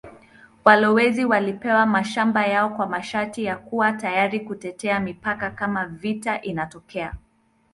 Walowezi walipewa mashamba yao kwa masharti ya kuwa tayari kutetea mipaka kama vita inatokea.